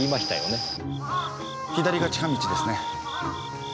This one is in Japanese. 左が近道ですね。